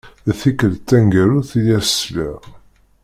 D tikelt taneggarut deg i as-sliɣ.